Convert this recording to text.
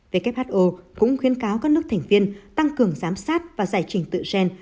who cũng khuyến cáo các nước thành viên tăng cường giám sát và giải trình tự gen